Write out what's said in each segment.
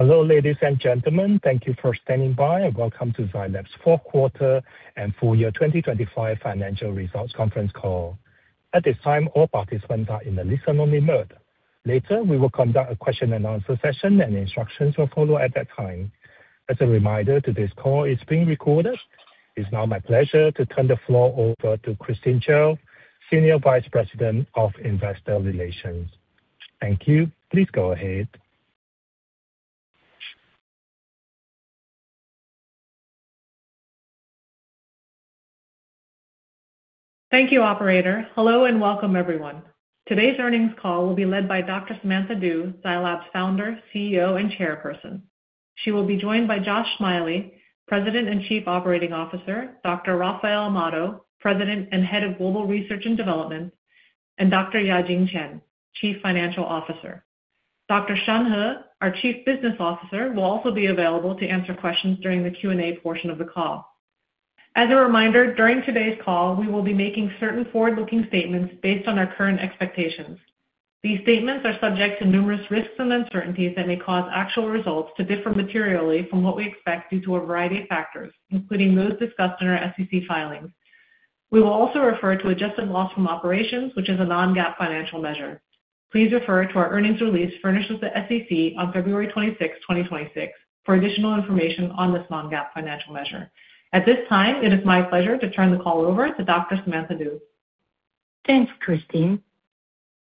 Hello, ladies and gentlemen. Thank you for standing by, and welcome to Zai Lab's fourth quarter and full year 2025 financial results conference call. At this time, all participants are in a listen-only mode. Later, we will conduct a question-and-answer session, and instructions will follow at that time. As a reminder, today's call is being recorded. It's now my pleasure to turn the floor over to Christine Chiou, Senior Vice President of Investor Relations. Thank you. Please go ahead. Thank you, operator. Hello, and welcome everyone. Today's earnings call will be led by Dr. Samantha Du, Zai Lab's founder, CEO, and chairperson. She will be joined by Josh Smiley, President and Chief Operating Officer, Dr. Rafael Amado, President and Head of Global Research and Development, and Dr. Yajing Chen, Chief Financial Officer. Dr. Shan He, our Chief Business Officer, will also be available to answer questions during the Q&A portion of the call. As a reminder, during today's call, we will be making certain forward-looking statements based on our current expectations. These statements are subject to numerous risks and uncertainties that may cause actual results to differ materially from what we expect due to a variety of factors, including those discussed in our SEC filings. We will also refer to adjusted loss from operations, which is a non-GAAP financial measure. Please refer to our earnings release furnished with the SEC on February 26, 2026, for additional information on this non-GAAP financial measure. At this time, it is my pleasure to turn the call over to Dr. Samantha Du. Thanks, Christine.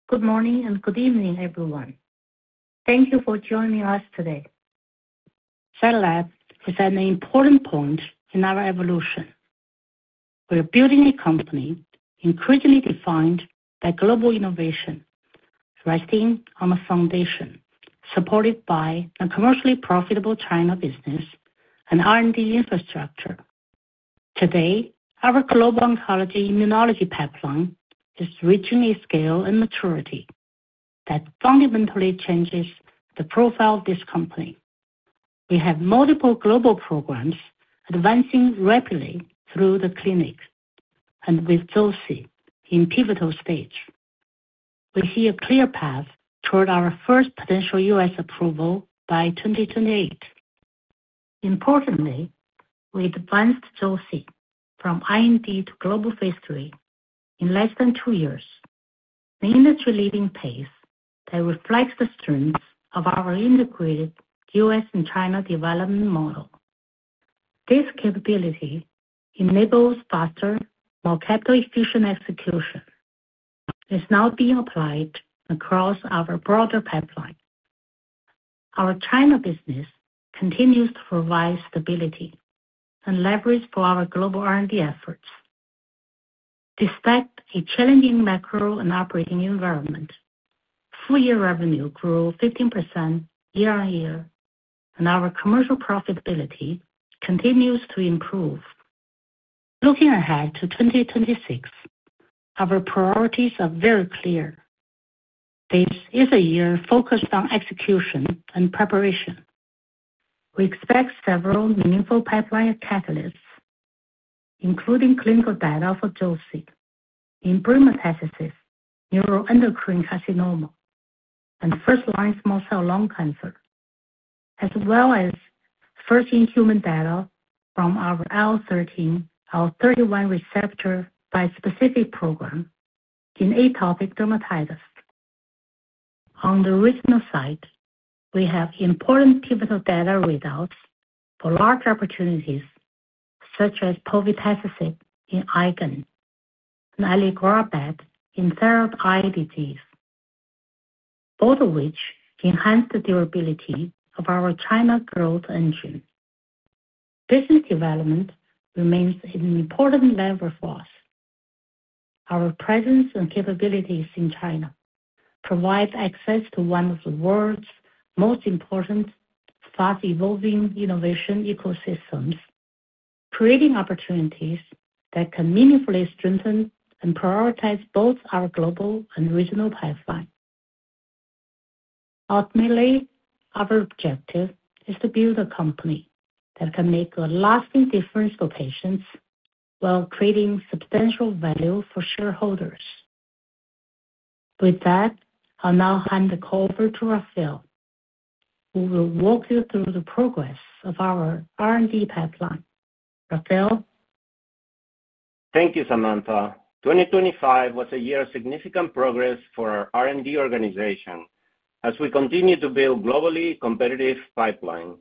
Good morning and good evening, everyone. Thank you for joining us today. Zai Lab is at an important point in our evolution. We are building a company increasingly defined by global innovation, resting on a foundation, supported by a commercially profitable China business and R&D infrastructure. Today, our global oncology immunology pipeline is reaching a scale and maturity that fundamentally changes the profile of this company. We have multiple global programs advancing rapidly through the clinics, with Zosi in pivotal stage. We see a clear path toward our first potential U.S. approval by 2028. Importantly, we advanced Zosi from IND to global phase III in less than two years, the industry-leading pace that reflects the strength of our integrated U.S. and China development model. This capability enables faster, more capital-efficient execution, is now being applied across our broader pipeline. Our China business continues to provide stability and leverage for our global R&D efforts. Despite a challenging macro and operating environment, full year revenue grew 15% year-over-year, and our commercial profitability continues to improve. Looking ahead to 2026, our priorities are very clear. This is a year focused on execution and preparation. We expect several meaningful pipeline catalysts, including clinical data for Zepzelca in breast cancers, neuroendocrine carcinoma, and first-line small cell lung cancer, as well as first in human data from our IL-13/IL-31R bispecific program in atopic dermatitis. On the regional side, we have important pivotal data results for large opportunities, such as Povetacicept in IgAN and aliglubad in Thyroid Eye Disease, both of which enhance the durability of our China growth engine. Business development remains an important lever for us. Our presence and capabilities in China provides access to one of the world's most important, fast-evolving innovation ecosystems, creating opportunities that can meaningfully strengthen and prioritize both our global and regional pipeline. Ultimately, our objective is to build a company that can make a lasting difference for patients while creating substantial value for shareholders. With that, I'll now hand the call over to Rafael, who will walk you through the progress of our R&D pipeline. Rafael? Thank you, Samantha. 2025 was a year of significant progress for our R&D organization as we continue to build globally competitive pipeline.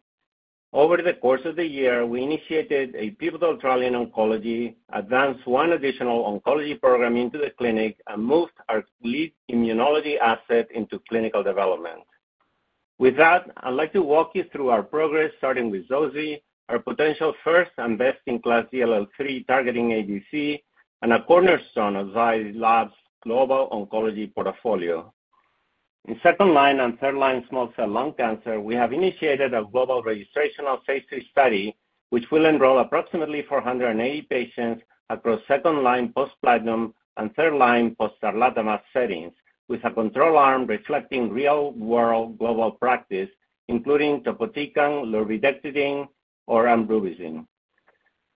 Over the course of the year, we initiated a pivotal trial in oncology, advanced one additional oncology program into the clinic, and moved our lead immunology asset into clinical development. With that, I'd like to walk you through our progress, starting with zoci, our potential first and best-in-class DLL3 targeting ADC and a cornerstone of Zai Lab's global oncology portfolio. In second line and third line small cell lung cancer, we have initiated a global registrational phase III study, which will enroll approximately 480 patients across second line post platinum and third line post Atezolizumab settings, with a control arm reflecting real-world global practice, including topotecan, larotrectinib, or amrubicin....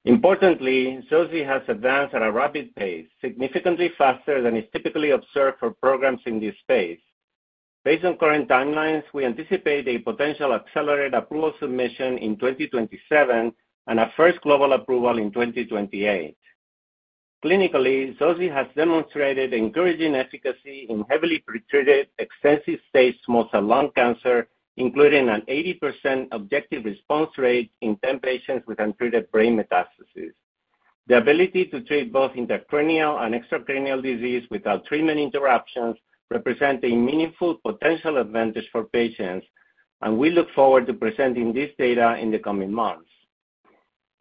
Importantly, Zoci has advanced at a rapid pace, significantly faster than is typically observed for programs in this space. Based on current timelines, we anticipate a potential accelerated approval submission in 2027, and a first global approval in 2028. Clinically, Zoci has demonstrated encouraging efficacy in heavily pretreated, extensive-stage small cell lung cancer, including an 80% objective response rate in 10 patients with untreated brain metastases. The ability to treat both intracranial and extracranial disease without treatment interruptions represent a meaningful potential advantage for patients, and we look forward to presenting this data in the coming months.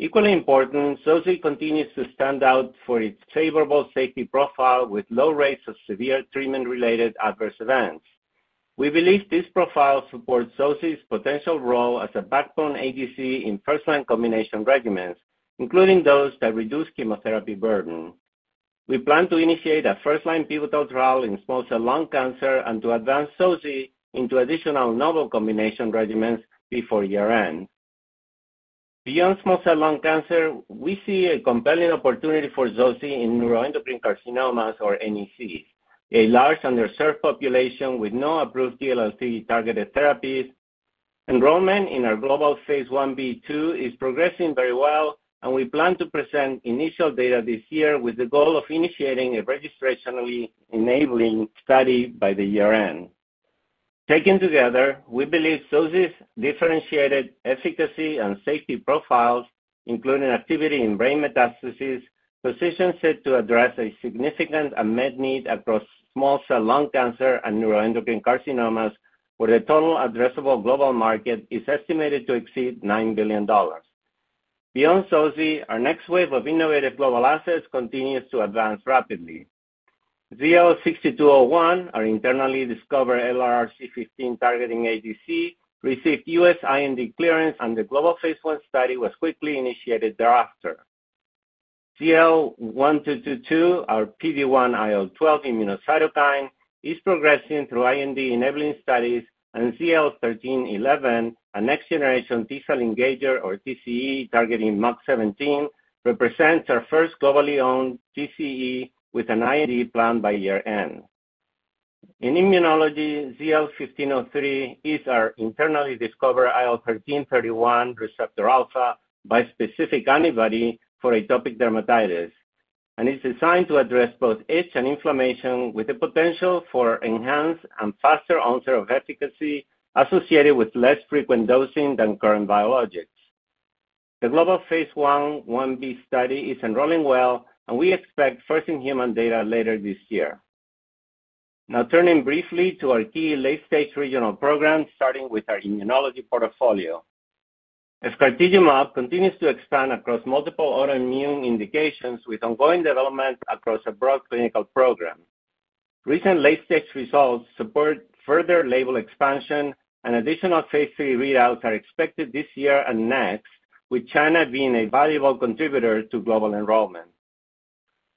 Equally important, Zoci continues to stand out for its favorable safety profile, with low rates of severe treatment-related adverse events. We believe this profile supports Zoci's potential role as a backbone ADC in first-line combination regimens, including those that reduce chemotherapy burden. We plan to initiate a first-line pivotal trial in small cell lung cancer and to advance zoci into additional novel combination regimens before year-end. Beyond small cell lung cancer, we see a compelling opportunity for zoci in neuroendocrine carcinomas, or NECs, a large, underserved population with no approved DLL3-targeted therapies. Enrollment in our global phase Ib/2 is progressing very well, and we plan to present initial data this year with the goal of initiating a registrationally enabling study by the year-end. Taken together, we believe zoci's differentiated efficacy and safety profiles, including activity in brain metastases, positions it to address a significant unmet need across small cell lung cancer and neuroendocrine carcinomas, where the total addressable global market is estimated to exceed $9 billion. Beyond zoci, our next wave of innovative global assets continues to advance rapidly. ZL-6201, our internally discovered LRRC15-targeting ADC, received U.S. IND clearance. The global phase I study was quickly initiated thereafter. ZL-1222, our PD-1/IL-12 immunocytokine, is progressing through IND-enabling studies. ZL-1311, a next-generation T-cell engager or TCE targeting MUC17, represents our first globally owned TCE with an IND plan by year-end. In immunology, ZL-1503 is our internally discovered IL-13/IL-31R bispecific antibody for atopic dermatitis, and is designed to address both itch and inflammation, with the potential for enhanced and faster onset of efficacy associated with less frequent dosing than current biologics. The global phase I/1b study is enrolling well. We expect first-in-human data later this year. Turning briefly to our key late-stage regional programs, starting with our immunology portfolio. Sulcardigimab continues to expand across multiple autoimmune indications, with ongoing development across a broad clinical program. Recent late-stage results support further label expansion and additional phase III readouts are expected this year and next, with China being a valuable contributor to global enrollment.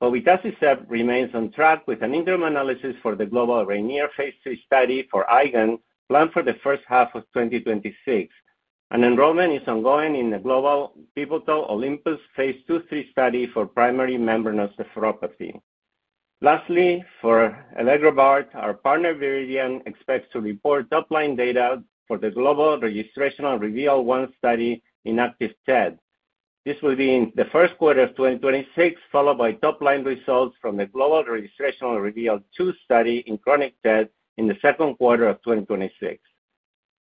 Povetacicept remains on track with an interim analysis for the global RAINIER phase III study for IgAN, planned for the first half of 2026, and enrollment is ongoing in the global pivotal OLYMPUS phase II/3 study for primary membranous nephropathy. Lastly, for Elegrobart, our partner, Viridian, expects to report top-line data for the global registrational REVEAL one study in active TED. This will be in the first quarter of 2026, followed by top-line results from the global registrational REVEAL two study in chronic TED in the second quarter of 2026.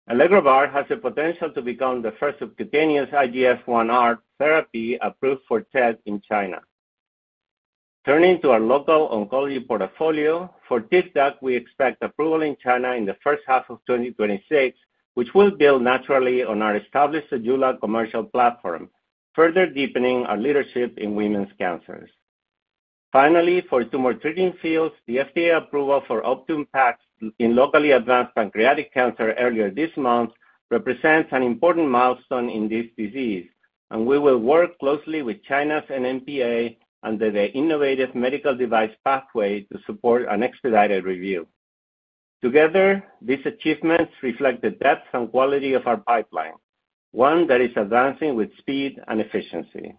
Elegrobart has the potential to become the first subcutaneous IGF-1R therapy approved for TED in China. Turning to our local oncology portfolio, for TIVDAK, we expect approval in China in the first half of 2026, which will build naturally on our established ZEJULA commercial platform, further deepening our leadership in women's cancers. Finally, for Tumor Treating Fields, the FDA approval for Optune Pax in locally advanced pancreatic cancer earlier this month represents an important milestone in this disease, and we will work closely with China's NMPA under the Innovative Medical Device Pathway to support an expedited review. Together, these achievements reflect the depth and quality of our pipeline, one that is advancing with speed and efficiency.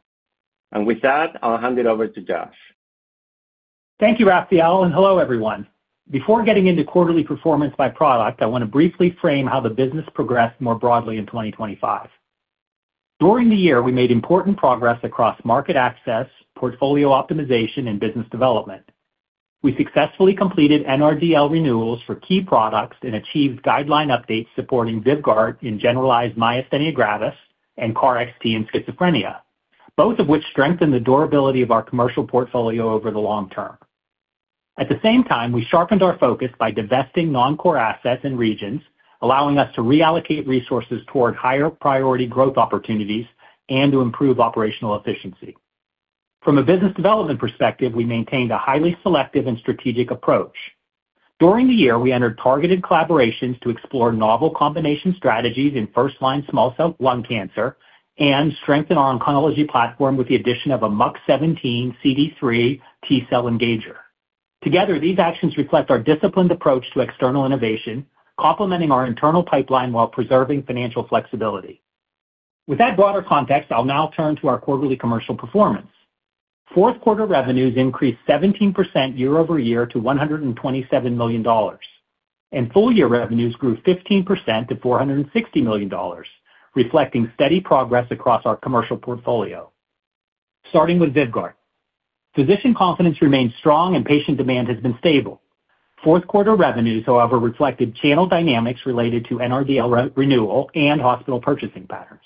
With that, I'll hand it over to Josh. Thank you, Rafael. Hello, everyone. Before getting into quarterly performance by product, I want to briefly frame how the business progressed more broadly in 2025. During the year, we made important progress across market access, portfolio optimization, and business development. We successfully completed NRDL renewals for key products and achieved guideline updates supporting VYVGART in generalized myasthenia gravis and KarXT in schizophrenia, both of which strengthen the durability of our commercial portfolio over the long term. At the same time, we sharpened our focus by divesting non-core assets and regions, allowing us to reallocate resources toward higher priority growth opportunities and to improve operational efficiency. From a business development perspective, we maintained a highly selective and strategic approach. During the year, we entered targeted collaborations to explore novel combination strategies in first-line small cell lung cancer and strengthen our oncology platform with the addition of a MUC17/CD3 T-cell engager. Together, these actions reflect our disciplined approach to external innovation, complementing our internal pipeline while preserving financial flexibility. With that broader context, I'll now turn to our quarterly commercial performance. Fourth quarter revenues increased 17% year-over-year to $127 million, and full year revenues grew 15% to $460 million, reflecting steady progress across our commercial portfolio. Starting with VYVGART, physician confidence remains strong and patient demand has been stable. Fourth quarter revenues, however, reflected channel dynamics related to NRDL renewal and hospital purchasing patterns.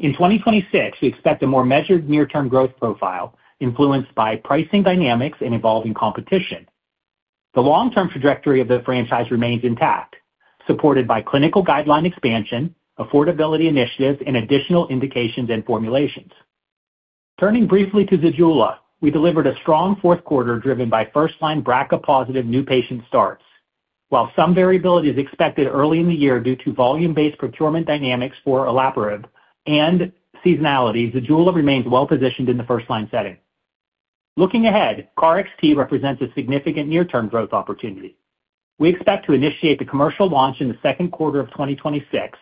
In 2026, we expect a more measured near-term growth profile influenced by pricing dynamics and evolving competition. The long-term trajectory of the franchise remains intact, supported by clinical guideline expansion, affordability initiatives, and additional indications and formulations. Turning briefly to ZEJULA, we delivered a strong fourth quarter, driven by first-line BRCA positive new patient starts. While some variability is expected early in the year due to volume-based procurement dynamics for olaparib and seasonality, ZEJULA remains well positioned in the first-line setting. Looking ahead, KarXT represents a significant near-term growth opportunity. We expect to initiate the commercial launch in the second quarter of 2026,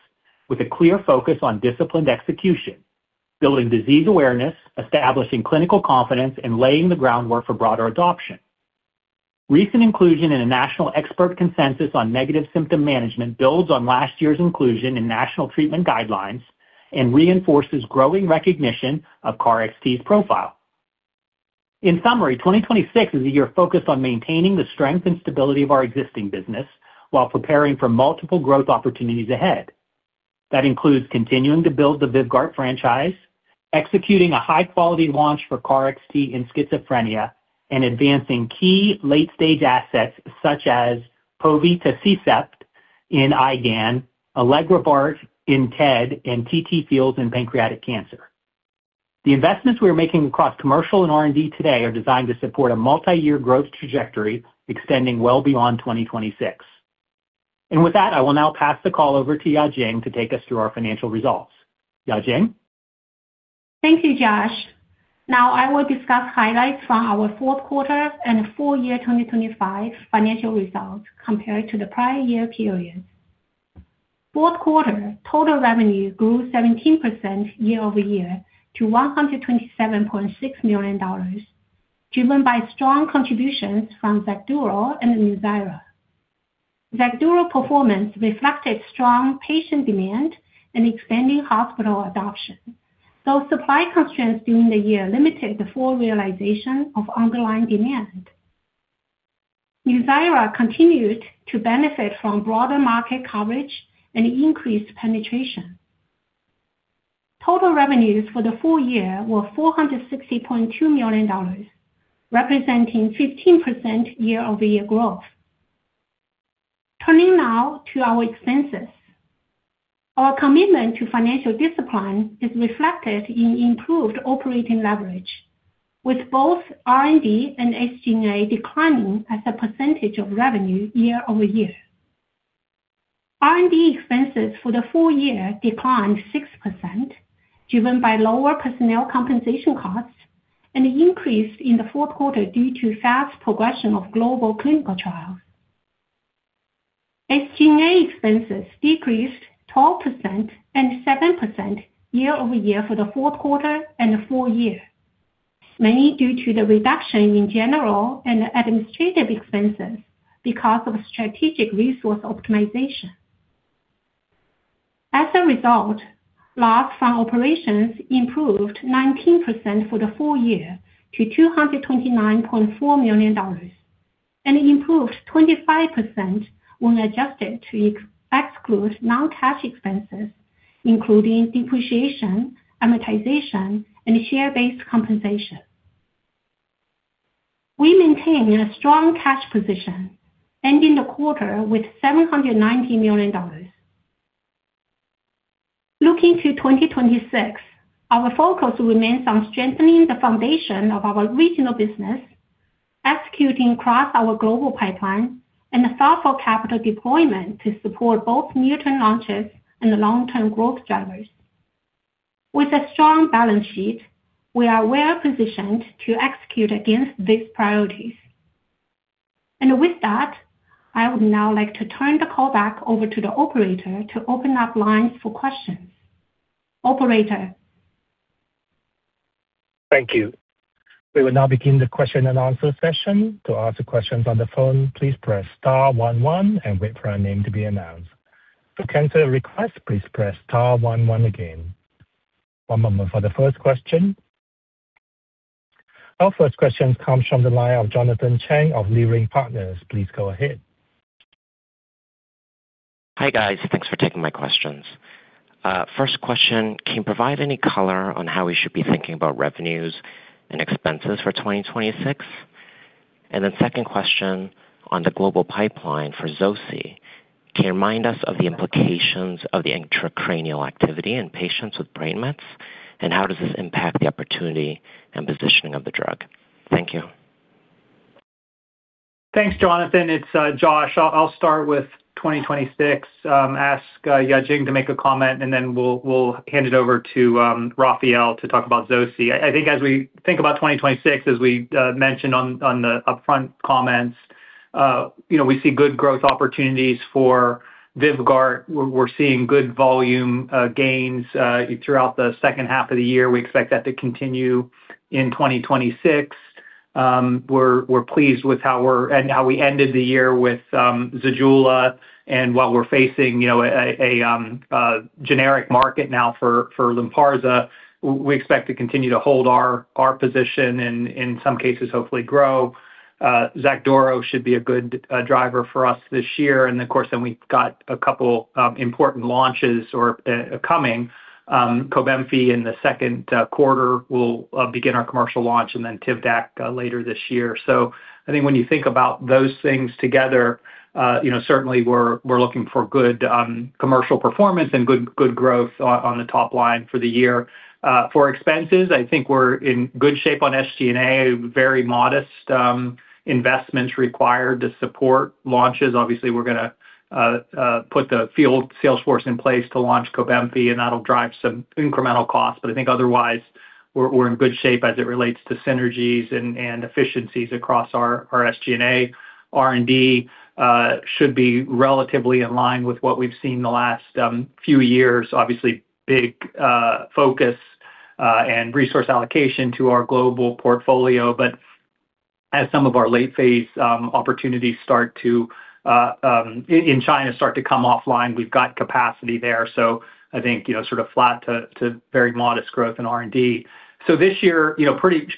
with a clear focus on disciplined execution, building disease awareness, establishing clinical confidence, and laying the groundwork for broader adoption. Recent inclusion in a national expert consensus on negative symptom management builds on last year's inclusion in national treatment guidelines and reinforces growing recognition of KarXT's profile. In summary, 2026 is a year focused on maintaining the strength and stability of our existing business while preparing for multiple growth opportunities ahead. That includes continuing to build the VYVGART franchise, executing a high-quality launch for KarXT in schizophrenia, and advancing key late-stage assets such as Povetacicept in IgAN, Elegrobart in TED, and TT Fields in pancreatic cancer. The investments we are making across commercial and R&D today are designed to support a multi-year growth trajectory extending well beyond 2026. With that, I will now pass the call over to Yujing to take us through our financial results. Yujing? Thank you, Josh. Now I will discuss highlights from our fourth quarter and full year 2025 financial results compared to the prior year-over-year period. Fourth quarter, total revenue grew 17% year-over-year to $127.6 million, driven by strong contributions from XACDURO and NUZYRA. XACDURO performance reflected strong patient demand and expanding hospital adoption, though supply constraints during the year limited the full realization of underlying demand. NUZYRA continued to benefit from broader market coverage and increased penetration. Total revenues for the full year were $460.2 million, representing 15% year-over-year growth. Turning now to our expenses. Our commitment to financial discipline is reflected in improved operating leverage, with both R&D and SG&A declining as a percentage of revenue year-over-year. R&D expenses for the full year declined 6%, driven by lower personnel compensation costs and an increase in the fourth quarter due to fast progression of global clinical trials. SG&A expenses decreased 12% and 7% year-over-year for the fourth quarter and full year, mainly due to the reduction in general and administrative expenses because of strategic resource optimization. Loss from operations improved 19% for the full year to $229.4 million and improved 25% when adjusted to exclude non-cash expenses, including depreciation, amortization, and share-based compensation. We maintain a strong cash position, ending the quarter with $790 million. Looking to 2026, our focus remains on strengthening the foundation of our regional business, executing across our global pipeline, and thoughtful capital deployment to support both near-term launches and long-term growth drivers. With a strong balance sheet, we are well positioned to execute against these priorities. With that, I would now like to turn the call back over to the operator to open up lines for questions. Operator? Thank you. We will now begin the question and answer session. To ask questions on the phone, please press star one one and wait for your name to be announced. To cancel a request, please press star one one again. One moment for the first question. Our first question comes from the line of Jonathan Chang of Leerink Partners. Please go ahead. Hi, guys. Thanks for taking my questions. First question, can you provide any color on how we should be thinking about revenues and expenses for 2026? Second question on the global pipeline for Zoci, can you remind us of the implications of the intracranial activity in patients with brain mets, and how does this impact the opportunity and positioning of the drug? Thank you. Thanks, Jonathan. It's Josh. I'll start with 2026, ask Yajing to make a comment, and then we'll hand it over to Rafael to talk about zoci. I think as we think about 2026, as we mentioned on the upfront comments, you know, we see good growth opportunities for VYVGART. We're seeing good volume gains throughout the second half of the year. We expect that to continue in 2026. We're pleased with how we ended the year with ZEJULA, and while we're facing, you know, a generic market now for Lynparza, we expect to continue to hold our position and in some cases, hopefully grow. XACDURO should be a good driver for us this year. Of course, then we've got a couple important launches or coming. COBENFY in the 2nd quarter will begin our commercial launch and then TIVDAK later this year. I think when you think about those things together, you know, certainly we're looking for good commercial performance and good growth on the top line for the year. For expenses, I think we're in good shape on SG&A, very modest investments required to support launches. Obviously, we're gonna put the field sales force in place to launch COBENFY, and that'll drive some incremental costs. I think otherwise, we're in good shape as it relates to synergies and efficiencies across our SG&A. R&D should be relatively in line with what we've seen the last few years. Obviously, big focus and resource allocation to our global portfolio. As some of our late phase opportunities start to in China, start to come offline, we've got capacity there. I think, you know, sort of flat to very modest growth in R&D. This year, you know, pretty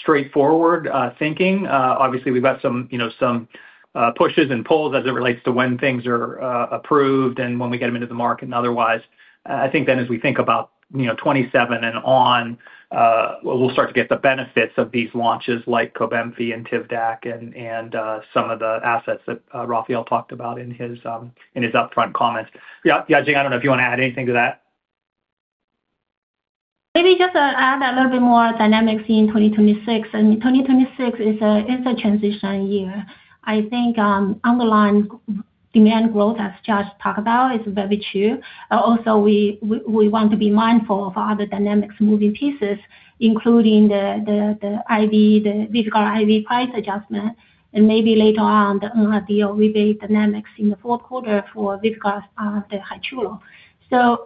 straightforward thinking. Obviously, we've got some, you know, some pushes and pulls as it relates to when things are approved and when we get them into the market and otherwise. I think as we think about, you know, 2027 and on, we'll start to get the benefits of these launches, like COBENFY and TIVDAK and some of the assets that Rafael talked about in his in his upfront comments. Yajing, I don't know if you wanna add anything to that? Maybe just to add a little bit more dynamics in 2026, and 2026 is a transition year. I think, underlying demand growth, as Josh talked about, is very true. Also, we want to be mindful of other dynamics moving pieces, including the IV, the VYVGART IV price adjustment, and maybe later on, the deal rebate dynamics in the fourth quarter for VYVGART, the ZEJULA.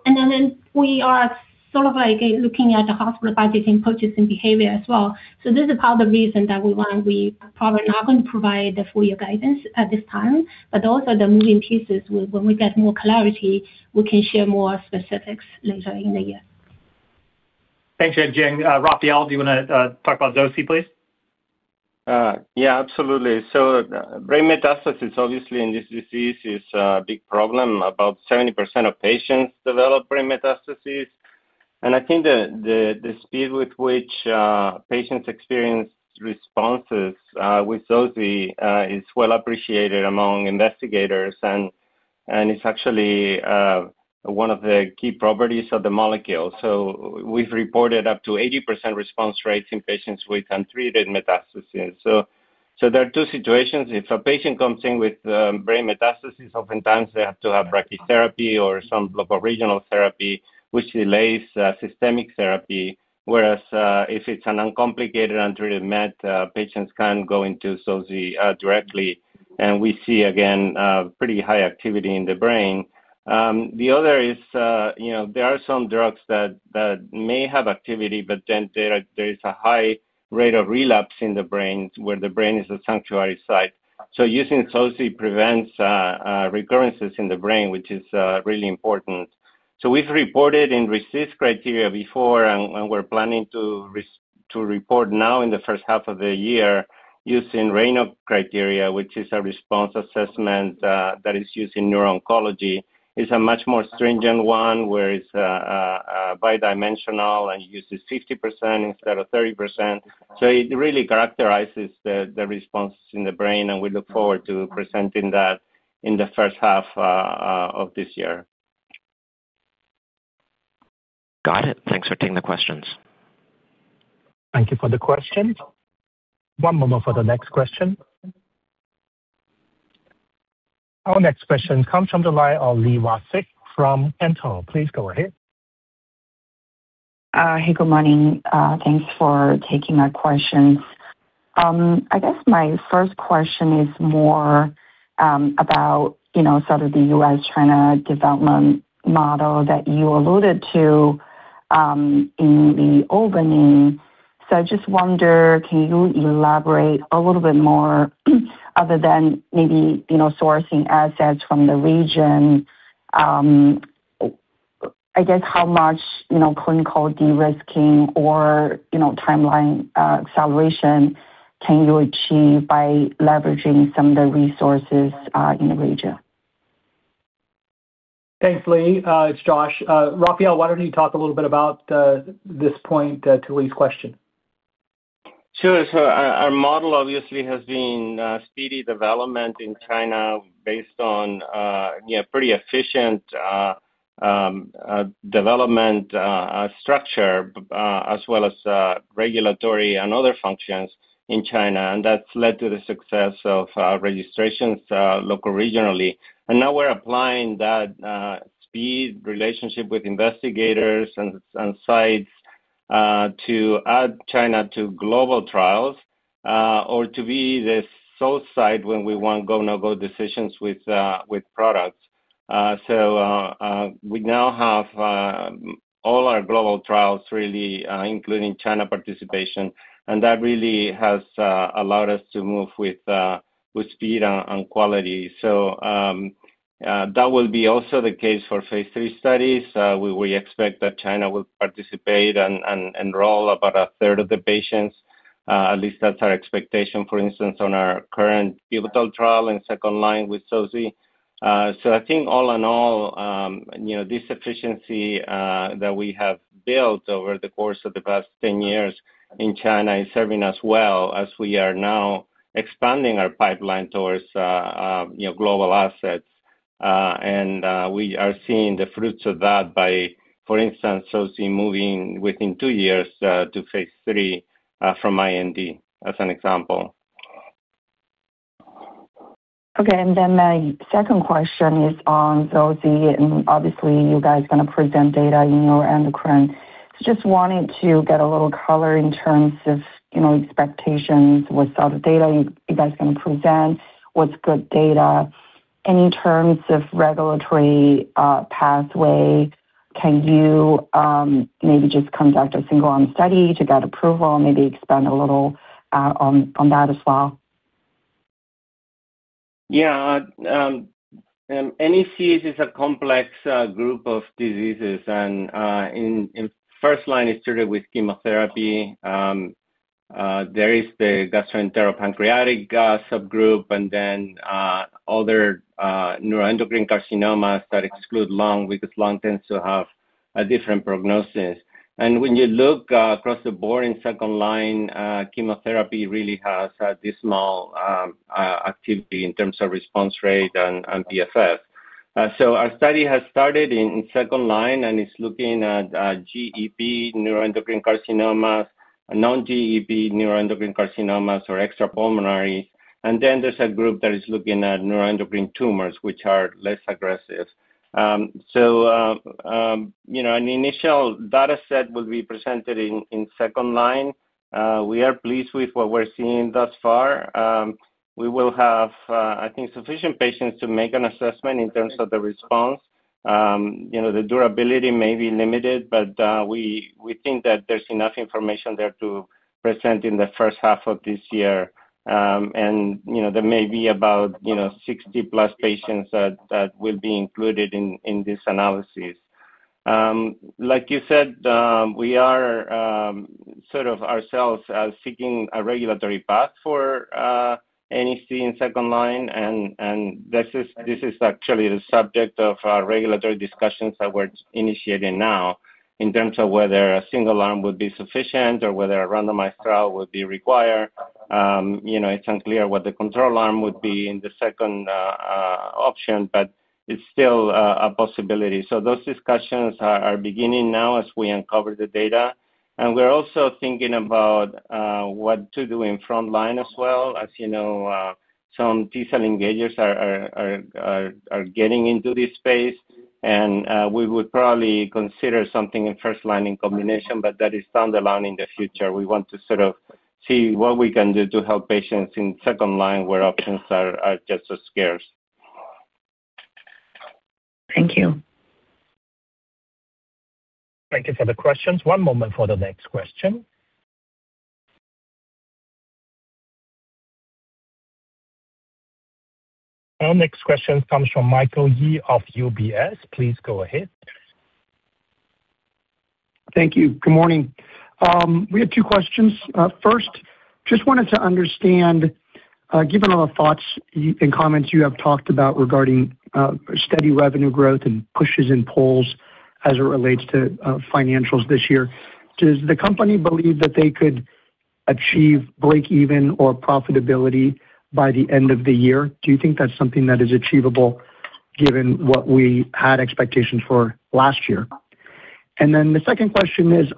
Then we are sort of, like, looking at the hospital budgeting purchasing behavior as well. This is part of the reason that we probably not going to provide the full year guidance at this time, but those are the moving pieces. When we get more clarity, we can share more specifics later in the year. Thanks, Yajing. Rafael, do you wanna talk about Zoci, please? Yeah, absolutely. Brain metastasis, obviously, in this disease is a big problem. About 70% of patients develop brain metastases, and I think the speed with which patients experience responses with Zoci is well appreciated among investigators, and it's actually one of the key properties of the molecule. We've reported up to 80% response rates in patients with untreated metastases. There are two situations. If a patient comes in with brain metastases, oftentimes they have to have brachytherapy or some regional therapy, which delays systemic therapy. Whereas, if it's an uncomplicated untreated met, patients can go into Zoci directly, and we see again pretty high activity in the brain. The other is, you know, there are some drugs that may have activity, but then there is a high rate of relapse in the brain, where the brain is a sanctuary site. Using zoci prevents recurrences in the brain, which is really important. We've reported in RECIST criteria before, and we're planning to report now in the first half of the year, using RANO criteria, which is a response assessment that is used in neuro-oncology. It's a much more stringent one, where it's a bidimensional and uses 50% instead of 30%. It really characterizes the response in the brain, and we look forward to presenting that in the first half of this year. Got it. Thanks for taking the questions. Thank you for the question. One moment for the next question. Our next question comes from the line of Li Watsek from Cantor. Please go ahead. Hey, good morning. Thanks for taking my questions. I guess my first question is more about, you know, sort of the U.S., China development model that you alluded to in the opening. I just wonder, can you elaborate a little bit more, other than maybe, you know, sourcing assets from the region? I guess how much, you know, clinical de-risking or, you know, timeline acceleration can you achieve by leveraging some of the resources in the region? Thanks, Li. It's Josh. Rafael, why don't you talk a little bit about this point to Li's question? Sure. Our model obviously has been speedy development in China based on pretty efficient development structure, as well as regulatory and other functions in China, and that's led to the success of registrations local regionally. Now we're applying that speed relationship with investigators and sites to add China to global trials, or to be the sole site when we want go, no-go decisions with products. We now have all our global trials really including China participation, and that really has allowed us to move with speed and quality. That will be also the case for phase III studies. We expect that China will participate and enroll about a third of the patients. At least that's our expectation, for instance, on our current pivotal trial and second line with Zoci. I think all in all, you know, this efficiency that we have built over the course of the past 10 years in China is serving us well as we are now expanding our pipeline towards, you know, global assets. We are seeing the fruits of that by, for instance, Zoci moving within two years to phase III from IND, as an example. My second question is on zoci, and obviously you guys are gonna present data in neuroendocrine. Just wanted to get a little color in terms of, you know, expectations, what sort of data you guys are gonna present, what's good data? In terms of regulatory pathway, can you maybe just conduct a single arm study to get approval? Maybe expand a little on that as well. Yeah. NEC is a complex group of diseases, and in first line, it's treated with chemotherapy. There is the gastroenteropancreatic subgroup, and then other neuroendocrine carcinomas that exclude lung, because lung tends to have a different prognosis. When you look across the board in second line, chemotherapy really has a dismal activity in terms of response rate and PFS. Our study has started in second line and is looking at GEP neuroendocrine carcinomas, non-GEP neuroendocrine carcinomas or extra pulmonary. There's a group that is looking at neuroendocrine tumors, which are less aggressive. You know, an initial data set will be presented in second line. We are pleased with what we're seeing thus far. We will have, I think, sufficient patients to make an assessment in terms of the response. You know, the durability may be limited, but we think that there's enough information there to present in the first half of this year. You know, there may be about, you know, 60-plus patients that will be included in this analysis. Like you said, we are sort of ourselves seeking a regulatory path for NEC in second line, and this is actually the subject of our regulatory discussions that we're initiating now in terms of whether a single arm would be sufficient or whether a randomized trial would be required. You know, it's unclear what the control arm would be in the second option, but it's still a possibility. Those discussions are beginning now as we uncover the data. We're also thinking about what to do in frontline as well. As you know, some T-cell engagers are getting into this space, and we would probably consider something in first line in combination, but that is standalone in the future. We want to sort of see what we can do to help patients in second line, where options are just so scarce. Thank you. Thank you for the questions. One moment for the next question. Our next question comes from Michael Yee of UBS. Please go ahead. Thank you. Good morning. We have two questions. First, just wanted to understand, given all the thoughts and comments you have talked about regarding steady revenue growth and pushes and pulls as it relates to financials this year, does the company believe that they could achieve breakeven or profitability by the end of the year? Do you think that's something that is achievable given what we had expectations for last year? The second question is,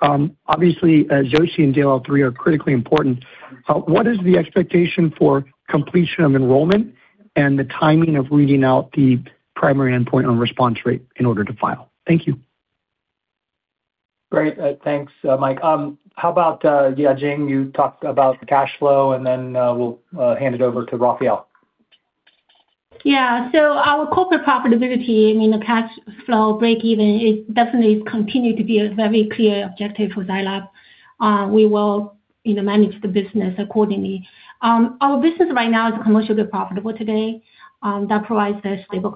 obviously, Zoci and DLL3 are critically important. What is the expectation for completion of enrollment and the timing of reading out the primary endpoint on response rate in order to file? Thank you. Great. Thanks, Mike. How about Yajing, you talk about the cash flow, and then we'll hand it over to Rafael. Our corporate profitability, I mean, the cash flow breakeven, it definitely continue to be a very clear objective for Zai Lab. We will, you know, manage the business accordingly. Our business right now is commercially profitable today, that provides a stable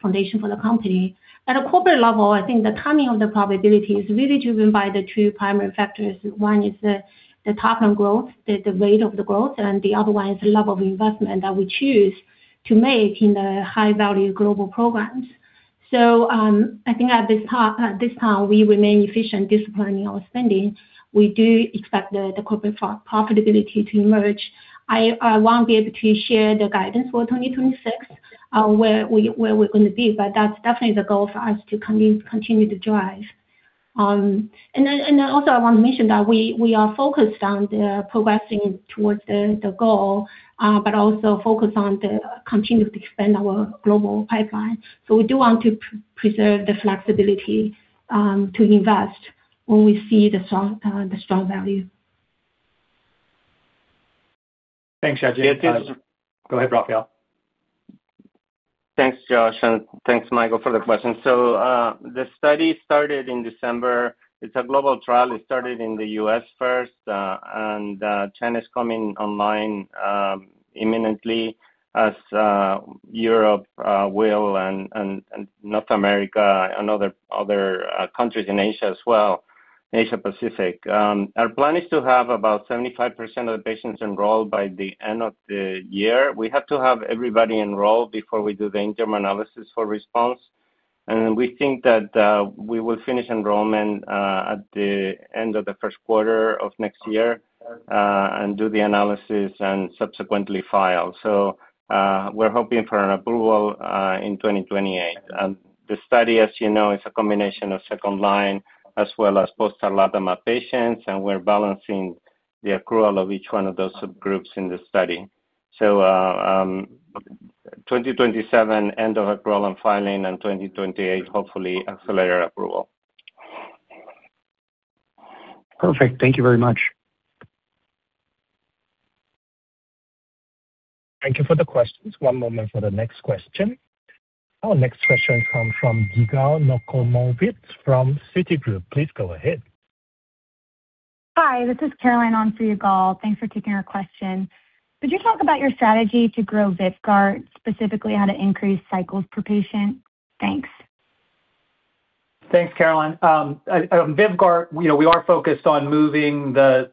foundation for the company. At a corporate level, I think the timing of the profitability is really driven by the two primary factors. One is the top-line growth, the rate of the growth, the other one is the level of investment that we choose to make in the high-value global programs. I think at this time, we remain efficient, disciplining our spending. We do expect the corporate profitability to emerge. I won't be able to share the guidance for 2026, where we're gonna be. That's definitely the goal for us to continue to drive. ... Also I want to mention that we are focused on the progressing towards the goal, but also focused on the continue to expand our global pipeline. We do want to preserve the flexibility, to invest when we see the strong value. Thanks, Xiaji. Go ahead, Rafael. Thanks, Josh, and thanks, Michael, for the question. The study started in December. It's a global trial. It started in the U.S. first, and China is coming online imminently as Europe will and North America and other countries in Asia as well, Asia Pacific. Our plan is to have about 75% of the patients enrolled by the end of the year. We have to have everybody enrolled before we do the interim analysis for response. We think that we will finish enrollment at the end of the first quarter of next year and do the analysis and subsequently file. We're hoping for an approval in 2028. The study, as you know, is a combination of second-line as well as post-thalidomide patients, and we're balancing the accrual of each one of those subgroups in the study. 2027, end of accrual and filing, and 2028, hopefully, accelerated approval. Perfect. Thank you very much. Thank you for the questions. One moment for the next question. Our next question comes from Yigal Nochomovitz from Citigroup. Please go ahead. Hi, this is Caroline on for Yigal. Thanks for taking our question. Could you talk about your strategy to grow VYVGART, specifically how to increase cycles per patient? Thanks. Thanks, Caroline. Vyvgart, you know, we are focused on moving the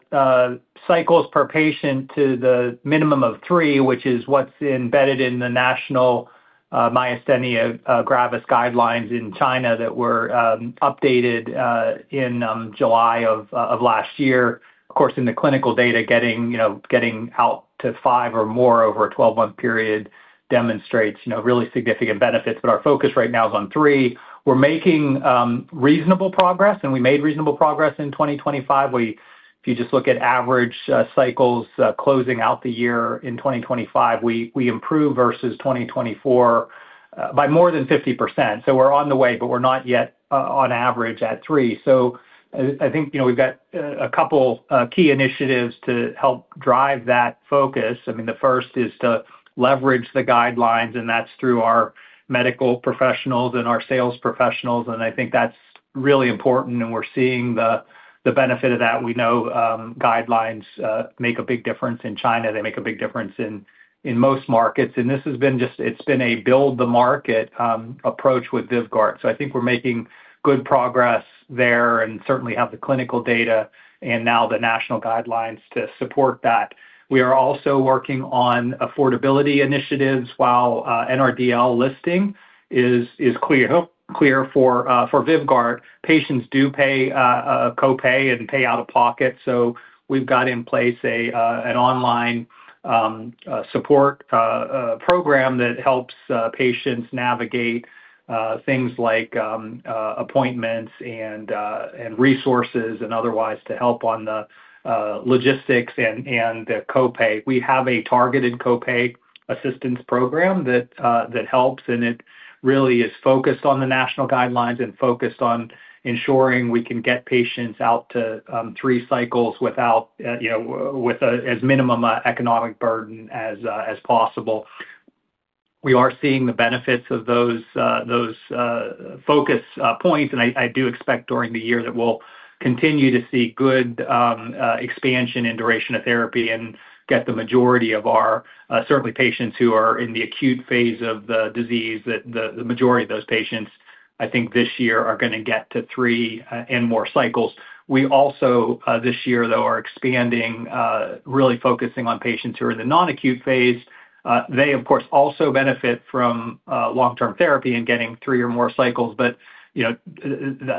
cycles per patient to the minimum of three, which is what's embedded in the national myasthenia gravis guidelines in China that were updated in July of last year. Of course, in the clinical data, getting, you know, getting out to five or more over a 12-month period demonstrates, you know, really significant benefits. Our focus right now is on three. We're making reasonable progress, and we made reasonable progress in 2025. If you just look at average cycles, closing out the year in 2025, we improved versus 2024 by more than 50%. We're on the way, but we're not yet on average at three. I think, you know, we've got a couple key initiatives to help drive that focus. I mean, the first is to leverage the guidelines, and that's through our medical professionals and our sales professionals, and I think that's really important, and we're seeing the benefit of that. We know guidelines make a big difference in China. They make a big difference in most markets. This has been just. It's been a build the market approach with VYVGART. I think we're making good progress there and certainly have the clinical data and now the national guidelines to support that. We are also working on affordability initiatives while NRDL listing is clear for VYVGART. Patients do pay, a co-pay and pay out-of-pocket. We've got in place an online support program that helps patients navigate things like appointments and resources and otherwise to help on the logistics and the co-pay. We have a targeted co-pay assistance program that helps. It really is focused on the national guidelines and focused on ensuring we can get patients out to three cycles without, you know, with as minimum economic burden as possible. We are seeing the benefits of those focus points. I do expect during the year that we'll continue to see good expansion and duration of therapy and get the majority of our, certainly patients who are in the acute phase of the disease, that the majority of those patients, I think, this year are gonna get to 3 and more cycles. We also, this year, though, are expanding, really focusing on patients who are in the non-acute phase. They, of course, also benefit from long-term therapy and getting 3 or more cycles, but, you know,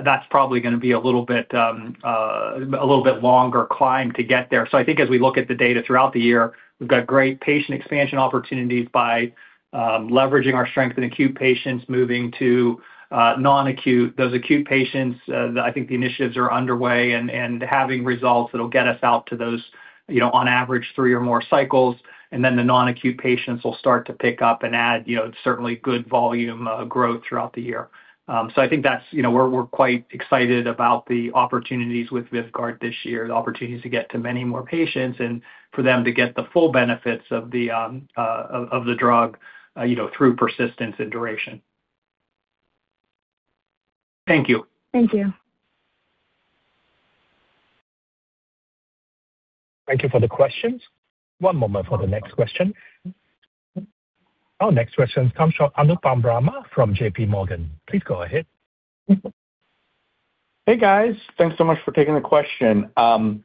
that's probably gonna be a little bit, a little bit longer climb to get there. I think as we look at the data throughout the year, we've got great patient expansion opportunities by leveraging our strength in acute patients, moving to non-acute. Those acute patients, I think the initiatives are underway and having results that'll get us out to those, you know, on average, three or more cycles, and then the non-acute patients will start to pick up and add, you know, certainly good volume growth throughout the year. I think that's, you know, we're quite excited about the opportunities with VYVGART this year, the opportunities to get to many more patients and for them to get the full benefits of the drug, you know, through persistence and duration. Thank you. Thank you. Thank you for the questions. One moment for the next question. Our next question comes from Anupam Rama from JPMorgan. Please go ahead. Hey, guys. Thanks so much for taking the question. On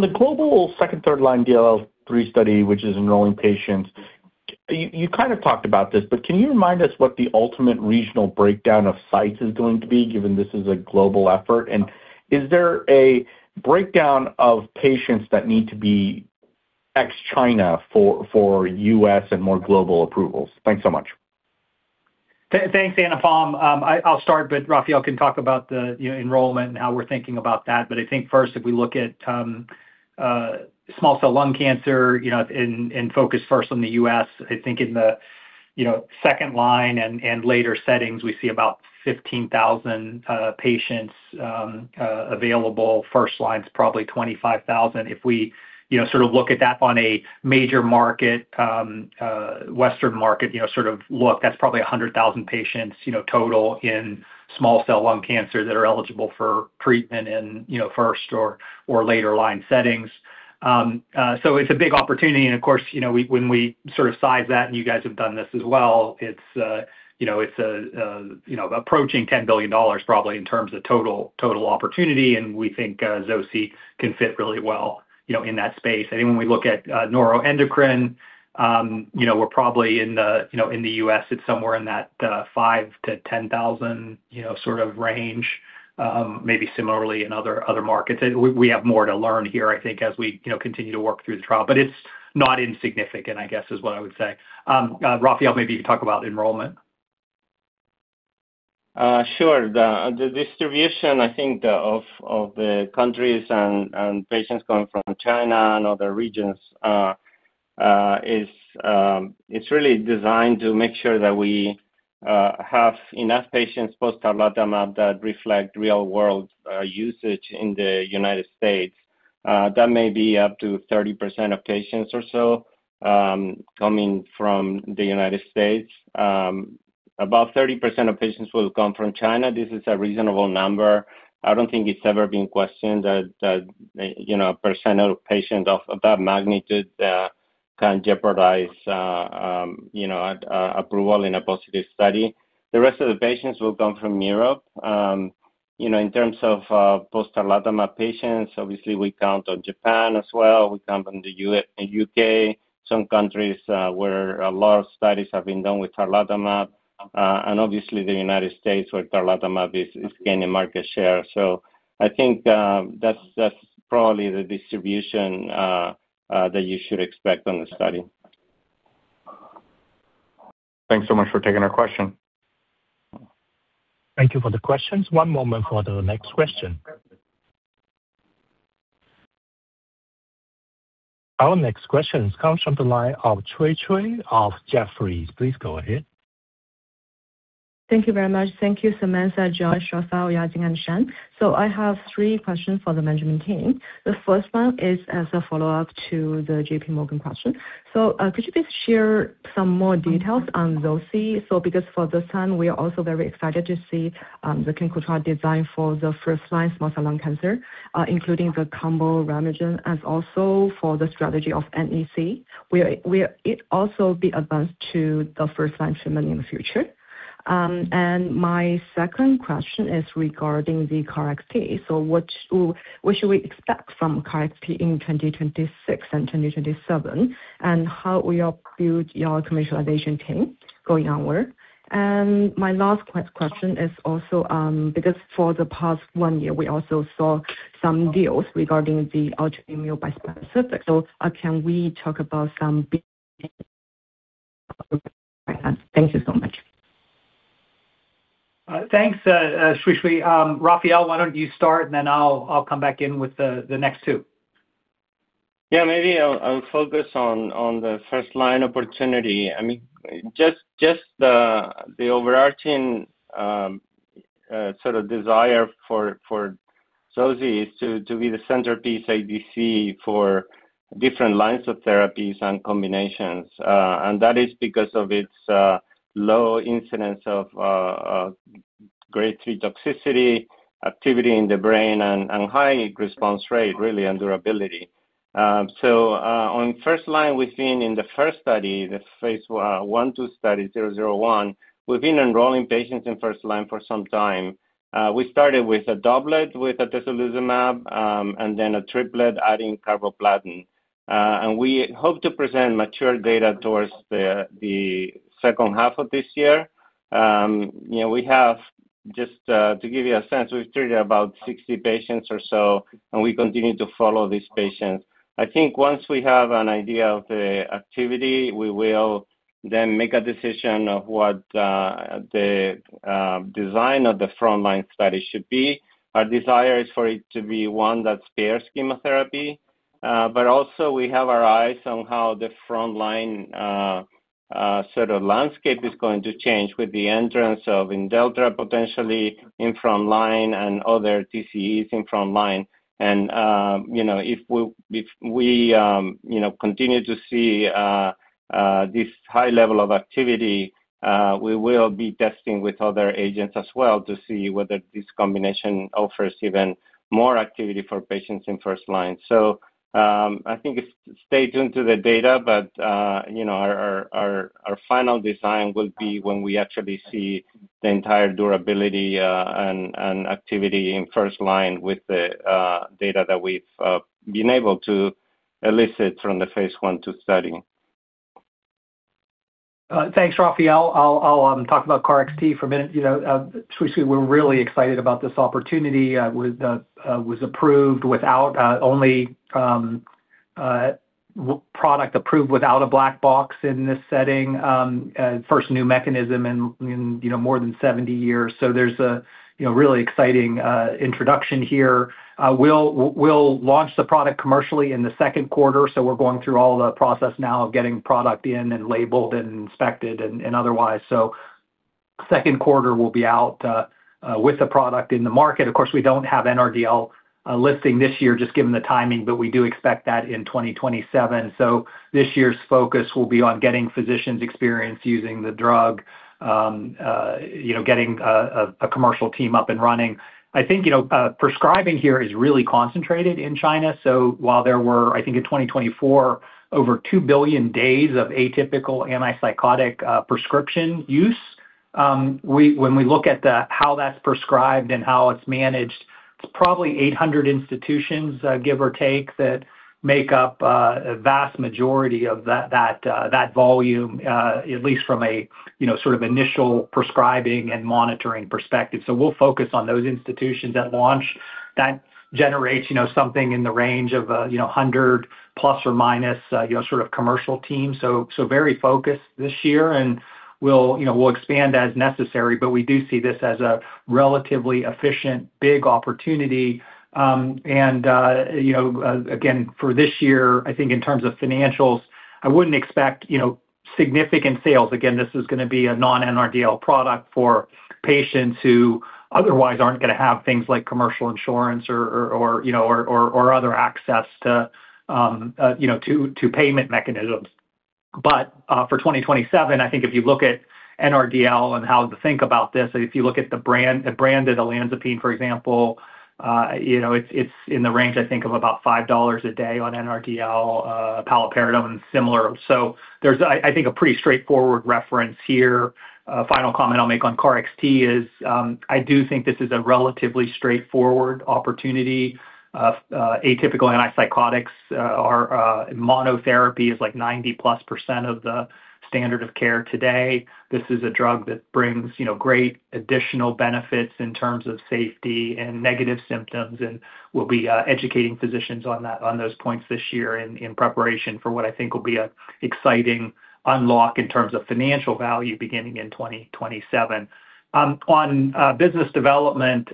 the global second, third line DLL3 study, which is enrolling patients, you kind of talked about this, but can you remind us what the ultimate regional breakdown of sites is going to be, given this is a global effort? Is there a breakdown of patients that need to be ex China for US and more global approvals? Thanks so much. Thanks, Anupam. I'll start, but Rafael can talk about the, you know, enrollment and how we're thinking about that. I think first, if we look at small cell lung cancer, you know, and focus first on the U.S., I think in the, you know, second line and later settings, we see about 15,000 patients available. First line's probably 25,000. If we, you know, sort of look at that on a major market, Western market, that's probably 100,000 patients, you know, total in small cell lung cancer that are eligible for treatment in, you know, first or later line settings. It's a big opportunity and of course, you know, when we sort of size that, and you guys have done this as well, it's, you know, it's approaching $10 billion probably in terms of total opportunity, and we think Zoci can fit really well, you know, in that space. I think when we look at neuroendocrine, you know, we're probably in the, you know, in the U.S., it's somewhere in that 5,000-10,000, you know, sort of range, maybe similarly in other markets. We have more to learn here, I think, as we, you know, continue to work through the trial. It's not insignificant, I guess, is what I would say. Rafael, maybe you can talk about enrollment. Sure. The distribution, I think, of the countries and patients coming from China and other regions is, it's really designed to make sure that we have enough patients, post tarlatamab, that reflect real-world usage in the United States. That may be up to 30% of patients or so coming from the United States. About 30% of patients will come from China. This is a reasonable number. I don't think it's ever been questioned that, you know, a percent of patients of that magnitude can jeopardize, you know, approval in a positive study. The rest of the patients will come from Europe. You know, in terms of post tarlatamab patients, obviously, we count on Japan as well. We count on the U.K., some countries where a lot of studies have been done with tarlatamab, and obviously, the United States, where tarlatamab is gaining market share. I think that's probably the distribution that you should expect on the study. Thanks so much for taking our question. Thank you for the questions. One moment for the next question. Our next question comes from the line of Shuhui Zhao of Jefferies. Please go ahead. Thank you very much. Thank you, Samantha, Josh, Rafael, Yating, and Shen. I have 3 questions for the management team. The first one is as a follow-up to the JP Morgan question. Could you please share some more details on those? Because for this time, we are also very excited to see the clinical trial design for the first-line small cell lung cancer, including the combo Remagen, and also for the strategy of NEC, where it also be advanced to the first-line treatment in the future. My second question is regarding the KarXT. What should we expect from KarXT in 2026 and 2027, and how will you build your commercialization team going onward? My last question is also, because for the past 1 year, we also saw some deals regarding the autoimmune bispecific. Can we talk about some big? Thank you so much. Thanks, Shuhui. Rafael, why don't you start, and then I'll come back in with the next two. Yeah, maybe I'll focus on the first-line opportunity. I mean, just the overarching sort of desire for Zoci is to be the centerpiece ADC for different lines of therapies and combinations. That is because of its low incidence of grade 2 toxicity, activity in the brain and high response rate, really, and durability. On first line, we've seen in the first study, the phase I, 2, Study 001, we've been enrolling patients in first line for some time. We started with a doublet, with atezolizumab, and then a triplet, adding carboplatin. We hope to present mature data towards the second half of this year. you know, we have just to give you a sense, we've treated about 60 patients or so, and we continue to follow these patients. I think once we have an idea of the activity, we will then make a decision of what the design of the frontline study should be. Our desire is for it to be one that spares chemotherapy, but also we have our eyes on how the frontline sort of landscape is going to change with the entrance of IMDELLTRA, potentially in frontline and other TCEs in frontline. you know, if we, you know, continue to see this high level of activity, we will be testing with other agents as well to see whether this combination offers even more activity for patients in first line. I think it's stay tuned to the data, but, you know, our final design will be when we actually see the entire durability and activity in first line with the data that we've been able to elicit from the phase one, two study. Thanks, Rafael. I'll talk about KarXT for a minute. You know, Shuhui, we're really excited about this opportunity, was approved without only product approved without a black box in this setting, first new mechanism in, you know, more than 70 years. There's a, you know, really exciting introduction here. We'll launch the product commercially in the second quarter, we're going through all the process now of getting product in, and labeled, and inspected and otherwise. Second quarter, we'll be out with the product in the market. Of course, we don't have NRDL listing this year, just given the timing, but we do expect that in 2027. This year's focus will be on getting physicians experienced using the drug. you know, getting a commercial team up and running. I think, you know, prescribing here is really concentrated in China. While there were, I think, in 2024, over 2 billion days of atypical antipsychotic prescription use, when we look at how that's prescribed and how it's managed, it's probably 800 institutions, give or take, that make up a vast majority of that volume, at least from a, you know, sort of initial prescribing and monitoring perspective. We'll focus on those institutions at launch. That generates, you know, something in the range of, you know, 100 plus or minus, you know, sort of commercial team. very focused this year, and we'll, you know, we'll expand as necessary, but we do see this as a relatively efficient, big opportunity. you know, again, for this year, I think in terms of financials, I wouldn't expect, you know, significant sales. Again, this is gonna be a non-NRDL product for patients who otherwise aren't gonna have things like commercial insurance or other access to, you know, to payment mechanisms. For 2027, I think if you look at NRDL and how to think about this, if you look at the brand, the brand of olanzapine, for example, you know, it's in the range, I think, of about $5 a day on NRDL, paliperidone and similar. There's I think a pretty straightforward reference here. Final comment I'll make on KarXT is, I do think this is a relatively straightforward opportunity. Atypical antipsychotics are monotherapy is, like, 90% plus of the standard of care today. This is a drug that brings, you know, great additional benefits in terms of safety and negative symptoms. We'll be educating physicians on that, on those points this year in preparation for what I think will be a exciting unlock in terms of financial value beginning in 2027. On business development,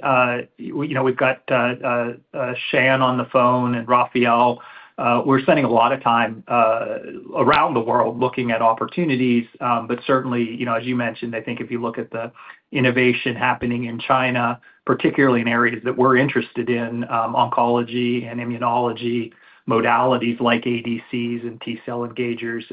you know, we've got Shan on the phone and Rafael. We're spending a lot of time around the world looking at opportunities, certainly, you know, as you mentioned, I think if you look at the innovation happening in China, particularly in areas that we're interested in, oncology and immunology, modalities like ADCs and T-cell engagers,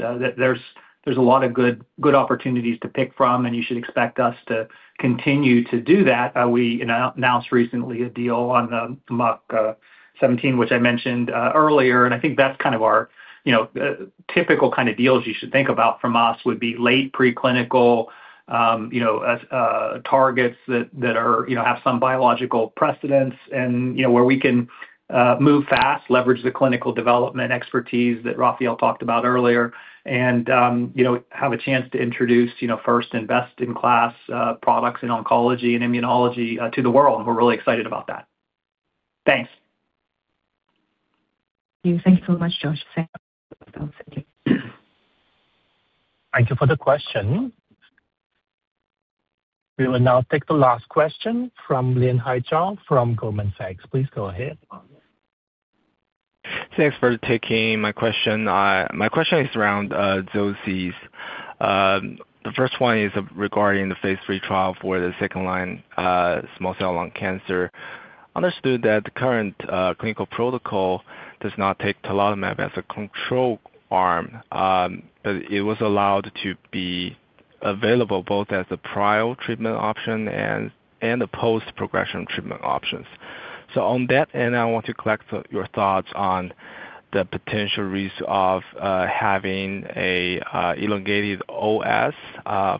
there's a lot of good opportunities to pick from. You should expect us to continue to do that. We, you know, announced recently a deal on the MUC17, which I mentioned earlier. I think that's kind of our, you know, typical kind of deals you should think about from us, would be late preclinical, you know, targets that are, you know, have some biological precedence and, you know, where we can move fast, leverage the clinical development expertise that Rafael talked about earlier. You know, have a chance to introduce, you know, first, invest in class, products in oncology and immunology, to the world. We're really excited about that. Thanks. Thank you. Thank you so much, Josh. Thank you for the question. We will now take the last question from Lin Haichong from Goldman Sachs. Please go ahead. Thanks for taking my question. My question is around zoci. The first one is regarding the phase III trial for the second line small cell lung cancer. Understood that the current clinical protocol does not take talimogene as a control arm, but it was allowed to be available both as a prior treatment option and a post-progression treatment options. On that end, I want to collect your thoughts on the potential risk of having a elongated OS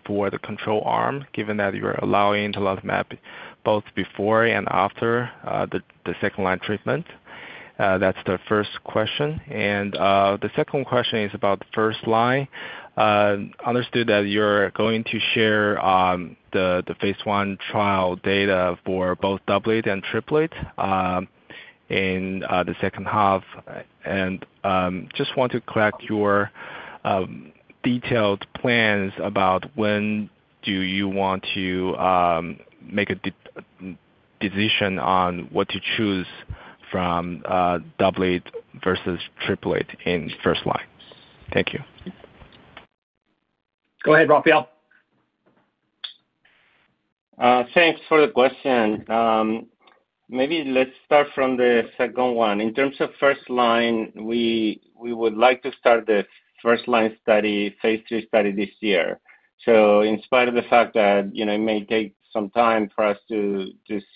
for the control arm, given that you're allowing talimogene both before and after the second line treatment. That's the first question. The second question is about the first line. Understood that you're going to share the phase I trial data for both doublet and triplet in the second half. Just want to collect your detailed plans about when do you want to make a decision on what to choose from doublet versus triplet in first line? Thank you. Go ahead, Rafael. Thanks for the question. Maybe let's start from the second one. In terms of first line, we would like to start the first line study, phase two study this year. In spite of the fact that, you know, it may take some time for us to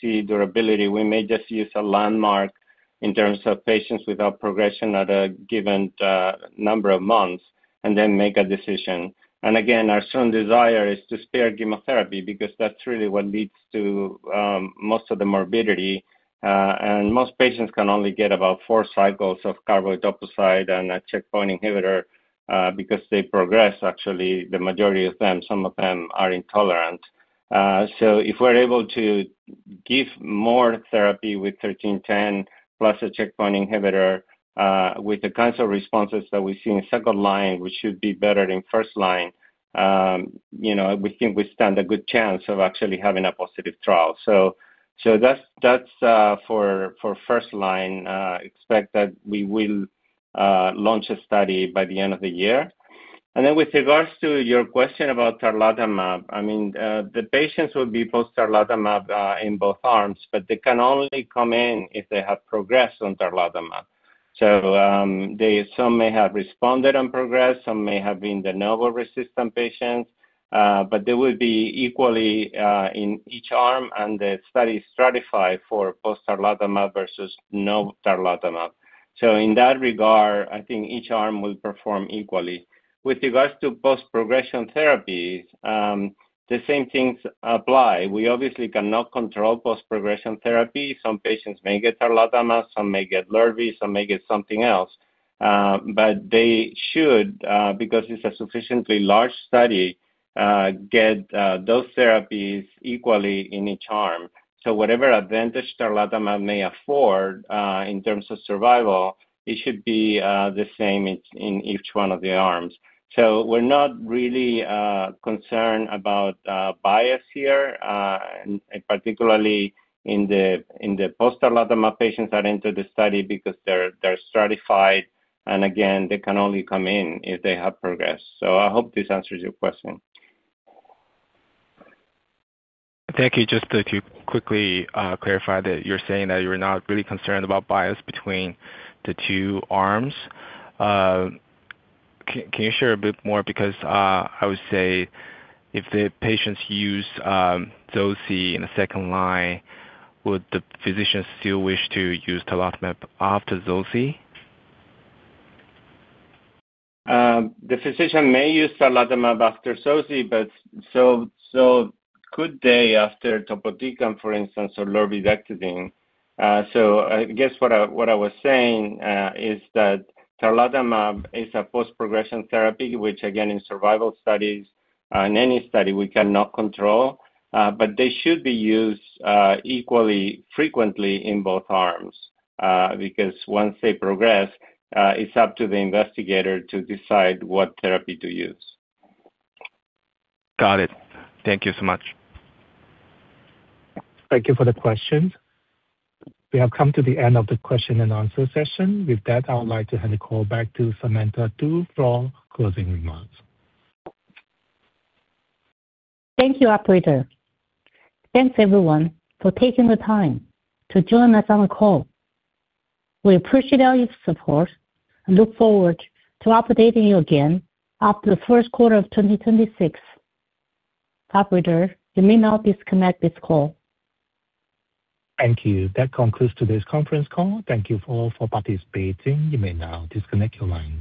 see durability, we may just use a landmark in terms of patients without progression at a given number of months and then make a decision. Again, our strong desire is to spare chemotherapy, because that's really what leads to most of the morbidity and most patients can only get about four cycles of carboplatin and a checkpoint inhibitor because they progress. Actually, the majority of them, some of them are intolerant. give more therapy with ZL-1310 plus a checkpoint inhibitor, with the kinds of responses that we see in second line, which should be better than first line, you know, we think we stand a good chance of actually having a positive trial. That's for first line, expect that we will launch a study by the end of the year. With regards to your question about tarlatamab, I mean, the patients will be post tarlatamab in both arms, but they can only come in if they have progressed on tarlatamab. Some may have responded and progressed, some may have been the novel resistant patients, but they will be equally in each arm and the study is stratified for post tarlatamab versus no tarlatamab. In that regard, I think each arm will perform equally. With regards to post-progression therapies, the same things apply. We obviously cannot control post-progression therapy. Some patients may get tarlatamab, some may get lurbinectedin, some may get something else. But they should, because it's a sufficiently large study, get those therapies equally in each arm. Whatever advantage tarlatamab may afford, in terms of survival, it should be the same in each one of the arms. We're not really concerned about bias here, and particularly in the post tarlatamab patients that enter the study because they're stratified, and again, they can only come in if they have progressed. I hope this answers your question. Thank you. Just to quickly clarify that you're saying that you're not really concerned about bias between the two arms. Can you share a bit more? I would say if the patients use zoci in the second line, would the physician still wish to use tarlatamab after zoci? The physician may use tarlatamab after zoci, but so could they after topotecan, for instance, or lurbinectedin. I guess what I was saying is that tarlatamab is a post-progression therapy, which again, in survival studies, in any study, we cannot control. They should be used equally frequently in both arms, because once they progress, it's up to the investigator to decide what therapy to use. Got it. Thank you so much. Thank you for the question. We have come to the end of the question and answer session. With that, I would like to hand the call back to Samantha Tiu for closing remarks. Thank you, operator. Thanks, everyone, for taking the time to join us on the call. We appreciate all your support and look forward to updating you again after the first quarter of 2026. Operator, you may now disconnect this call. Thank you. That concludes today's conference call. Thank you for participating. You may now disconnect your line.